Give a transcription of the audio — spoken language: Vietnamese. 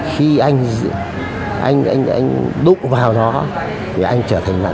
khi anh đúc vào nó thì anh trở thành nạn nhân